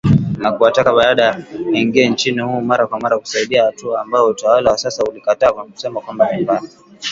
Na kuwataka badala yake waingie nchini humo mara kwa mara kusaidia hatua ambayo utawala wa sasa ulikataa na kusema kwamba ni mbaya